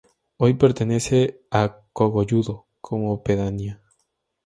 Hoy pertenece a Cogolludo como pedanía.